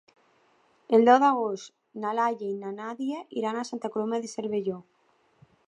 El deu d'agost na Laia i na Nàdia iran a Santa Coloma de Cervelló.